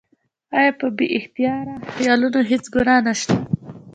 او پۀ بې اختياره خيالونو هېڅ ګناه نشته